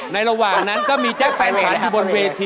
ในระหว่างนั้นก็มีแจ็กแฟนฉัน